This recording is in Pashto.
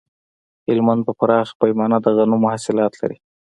هلمند په پراخه پیمانه د غنمو حاصلات لري